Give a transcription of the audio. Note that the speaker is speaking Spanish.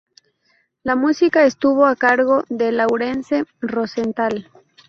La música estuvo a cargo de Laurence Rosenthal.